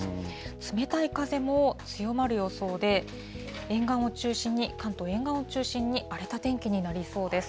冷たい風も強まる予想で、沿岸を中心に、関東沿岸を中心に、荒れた天気になりそうです。